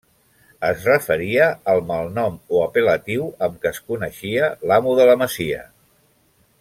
Es referia al malnom o apel·latiu amb què es coneixia l'amo de la masia.